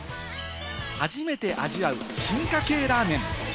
初めて味わう進化系ラーメン。